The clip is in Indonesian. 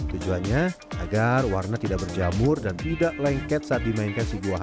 tujuannya agar warna tidak berjamur dan tidak lengket saat dimainkan si gua hati